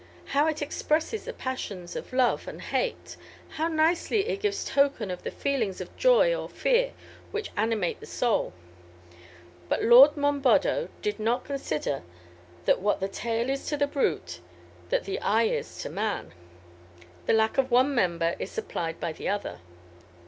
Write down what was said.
how it expresses the passions of love and hate! how nicely it gives token of the feelings of joy or fear which animate the soul! But Lord Monboddo did not consider that what the tail is to the brute, that the eye is to man; the lack of one member is supplied by the other.